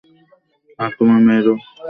আর তোমার মেয়েরও ওকে পছন্দ হয়েছে।